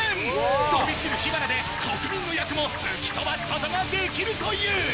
飛び散る火花で、国民の厄も吹き飛ばすことができるという。